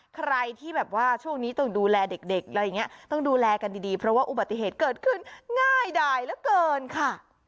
ใครที่แบบว่าช่วงนี้ต้องดูแลเด็กอะไรอย่างนี้ต้องดูแลกันดีเพราะว่าอุบัติเหตุเกิดขึ้นง่ายดายเหลือเกินค่ะ